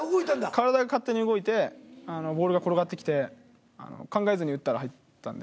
体が勝手に動いてボールが転がってきて考えずに打ったら入ったんで。